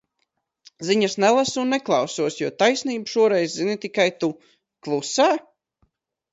Ziņas nelasu un neklausos, jo taisnību šoreiz zini tikai tu. Klusē?